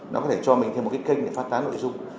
nó có thể cho mình thêm một cái kênh để phát tán nội dung